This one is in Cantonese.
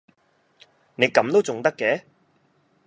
你噉都重得嘅